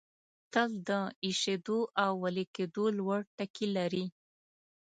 تل د ایشېدو او ویلي کېدو لوړ ټکي لري.